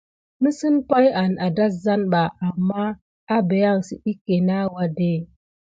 Nǝsen paï ah dazan ɓa, ammah ebé ahǝn sidike nah wade.